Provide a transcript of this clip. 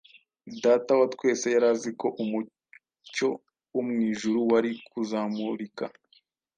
Data wa twese yari azi ko umucyo wo mu ijuru wari kuzamurika